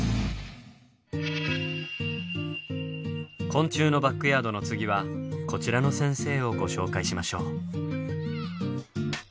昆虫のバックヤードの次はこちらの先生をご紹介しましょう。